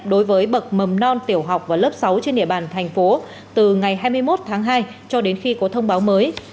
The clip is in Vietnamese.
đối với bậc mầm non tiểu học và lớp sáu trên địa bàn thành phố từ ngày hai mươi một tháng hai cho đến khi có thông báo mới